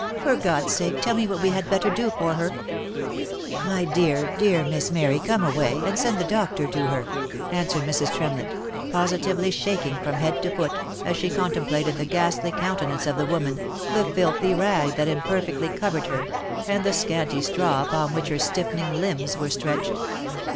" For God's sake tell me what we had better do for her V* " My dear, dear, Miss Mary come away, and send the doctor to her!" answered Mrs. Tremlett; positively shaking from head to foot, as she contemplated the ghastly countenance of the woman, the filthy rag that imperfectly covered her, and the scanty straw upon which her stiffening limbs were stretched.